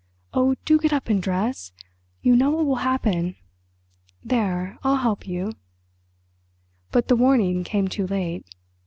"Oh, do get up and dress. You know what will happen. There—I'll help you." But the warning came too late.